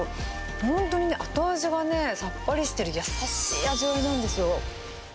本当にね、後味がね、さっぱりしてる、優しい味わいなんですよ。